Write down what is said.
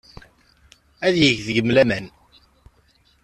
Ad yeg deg-m laman.